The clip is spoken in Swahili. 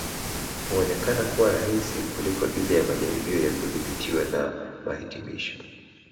Huonekana kuwa rahisi kuliko ile ya majaribio ya kudhibitiwa na mahitimisho